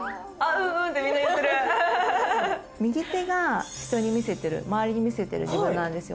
「うんうん」ってみんな言ってる右手が人に見せてる周りに見せてる自分なんですよ